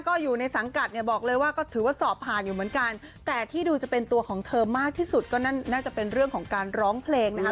ก็อยู่ในสังกัดเนี่ยบอกเลยว่าก็ถือว่าสอบผ่านอยู่เหมือนกันแต่ที่ดูจะเป็นตัวของเธอมากที่สุดก็น่าจะเป็นเรื่องของการร้องเพลงนะคะ